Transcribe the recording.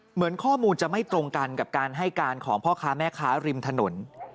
เหมือนข้อมูลจะไม่ตรงกันกับการให้การของพ่อค้าแม่ค้าริมถนน